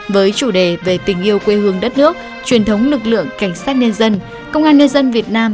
với chủ đề về tình yêu quê hương đất nước truyền thống lực lượng cảnh sát nhân dân công an nhân dân việt nam